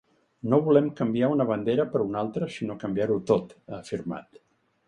No volem canviar una bandera per una altra sinó canviar-ho tot, ha afirmat.